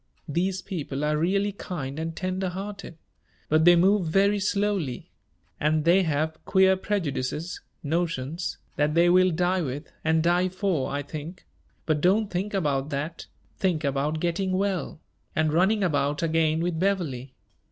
These people are really kind and tender hearted; but they move very slowly and they have queer prejudices notions that they will die with, and die for, I think; but don't think about that think about getting well, and running about again with Beverley.